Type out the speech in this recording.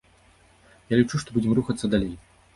Я лічу, што будзем рухацца далей.